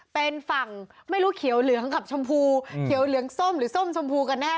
เป็นฝั่งไม่รู้เขียวเหลืองกับชมพูเขียวเหลืองส้มหรือส้มชมพูกันแน่